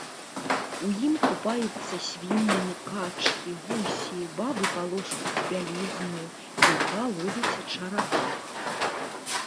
У ім купаюцца свінні, качкі, гусі, бабы палошчуць бялізну, дзятва ловіць чарапах!